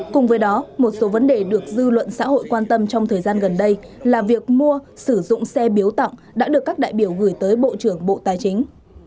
cùng với đó một số vấn đề được dư luận xã hội quan tâm trong thời gian gần đây là việc mua sử dụng xe biếu tặng đã được các đại biểu gửi tới bộ trưởng bộ tài chính